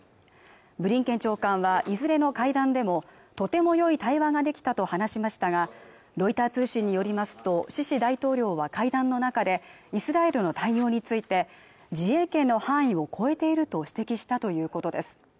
ブリンケン長官はいずれの会談でもとても良い対話ができたと話しましたがロイター通信によりますとシシ大統領は会談の中でイスラエルの対応について自衛権の範囲を超えていると指摘したということです